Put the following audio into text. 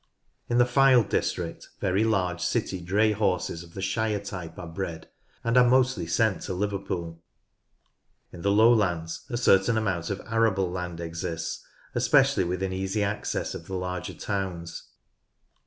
In the Fylde district very large city dray horses of the Shire type are bred, and are mostly sent to Liverpool. In the lowlands a certain amount of arable land exists, especially within easy access of the larger towns.